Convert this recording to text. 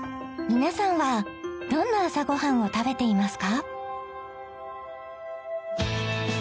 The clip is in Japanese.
皆さんはどんな朝ご飯を食べていますか？